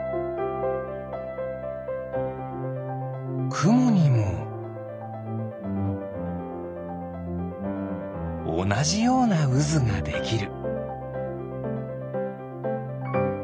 くもにもおなじようなうずができる。